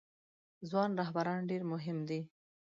ځوان رهبران ډیر مهم دي